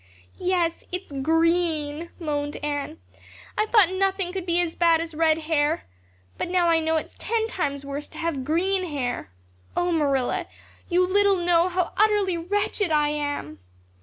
"Yes, it's green," moaned Anne. "I thought nothing could be as bad as red hair. But now I know it's ten times worse to have green hair. Oh, Marilla, you little know how utterly wretched I am."